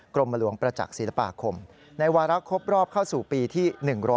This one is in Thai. กรมหลวงประจักษ์ศิลปาคมในวาระครบรอบเข้าสู่ปีที่๑๒